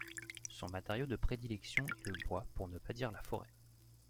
Son matériau de prédilection est le bois pour ne pas dire la forêt.